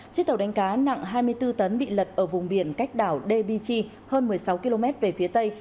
chiếc tàu đánh cá nặng hai mươi bốn tấn bị lật ở vùng biển cách đảo dbchi hơn một mươi sáu km về phía tây